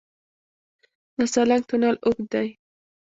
د سالنګ تونل اوږد دی